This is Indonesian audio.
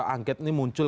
angket ini muncul